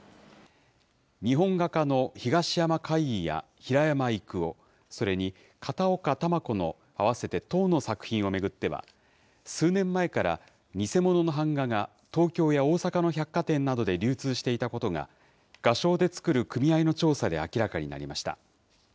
日本画家の東山魁夷や平山郁夫、それに片岡球子の合わせて１０の作品を巡っては、数年前から偽物の版画が東京や大阪の百貨店などで流通していたことが、画商で作る組合の調査で明らかになりました。